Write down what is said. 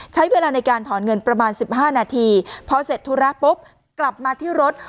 ใช้เวลาในการถอนเงินประมาณสิบห้านาทีพอเสร็จธุระปุ๊บกลับมาที่รถ